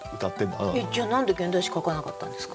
じゃあ何で現代詩書かなかったんですか？